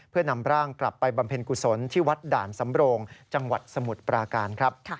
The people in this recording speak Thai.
เพื่อนำร่างกลับไปบำเพ็ญกุศลที่วัดด่านสำโรงจังหวัดสมุทรปราการครับ